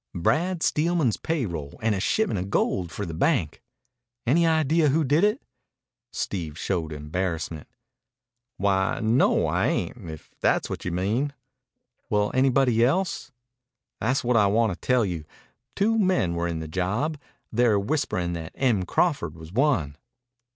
"Brad Steelman's pay roll and a shipment of gold for the bank." "Any idea who did it?" Steve showed embarrassment. "Why, no, I ain't, if that's what you mean." "Well, anybody else?" "Tha's what I wanta tell you. Two men were in the job. They're whisperin' that Em Crawford was one."